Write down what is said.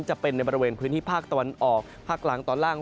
จะเป็นในบริเวณพื้นที่ภาคตะวันออกภาคกลางตอนล่าง